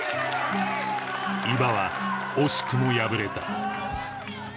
伊庭は惜しくも敗れた